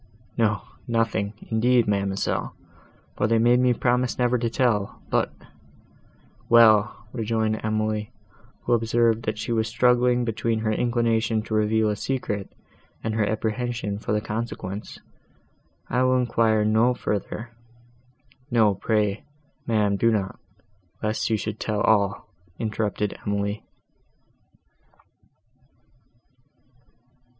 "No, nothing, indeed, ma'amselle, for they made me promise never to tell:—but—" "Well," rejoined Emily, who observed that she was struggling between her inclination to reveal a secret, and her apprehension for the consequence, "I will enquire no further—" "No, pray, ma'am, do not." "Lest you should tell all," interrupted Emily.